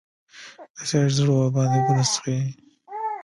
د چا زړه ورباندې اوبه نه څښي